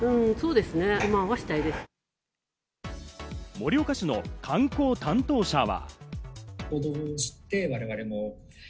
盛岡市の観光担当者は。